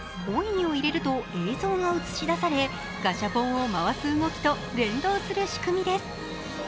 コインを入れると映像が映し出されガシャポンを回す動きと連動する仕組みです。